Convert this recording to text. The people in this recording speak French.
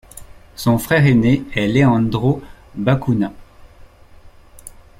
Son frère aîné est Leandro Bacuna.